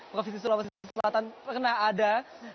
provinsi sulawesi selatan pernah ada